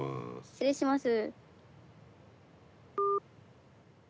失礼します。